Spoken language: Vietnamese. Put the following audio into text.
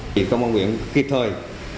việc công an nguyện kịp thời